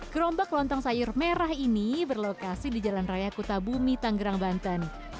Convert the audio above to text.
kerombak lontong sayur merah ini berlokasi di jalan raya kutabumi tanggerang banten